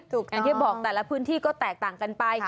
อย่างที่บอกแต่ละพื้นที่ก็แตกต่างกันไป